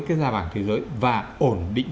cái giá vàng thế giới và ổn định